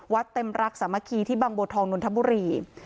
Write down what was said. เต็มรักสามัคคีที่บางบัวทองนนทบุรี